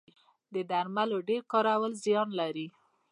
د درملو ډیر کارول زیان لري